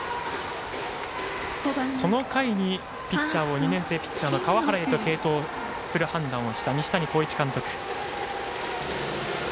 この回にピッチャーを２年生ピッチャーの川原へと継投する判断をした西谷浩一監督。